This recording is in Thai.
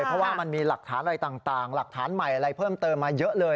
เพราะว่ามันมีหลักฐานอะไรต่างหลักฐานใหม่อะไรเพิ่มเติมมาเยอะเลย